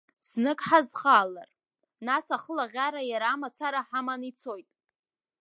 Знык ҳазхалар, нас ахлаӷьара иара амацара ҳаман ицоит…